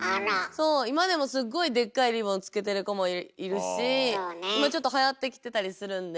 今でもすっごいでっかいリボンつけてる子もいるし今ちょっとはやってきてたりするんで。